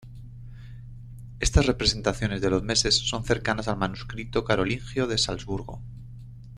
Estas representaciones de los meses son cercanas al manuscrito carolingio de Salzburgo.